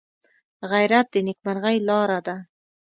غیرت د نیکمرغۍ لاره ده